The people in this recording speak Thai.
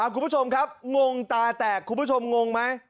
คุณผู้ชมครับงงตาแตกคุณผู้ชมงงไหม